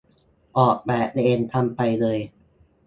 ออกแบบเองกันไปเลย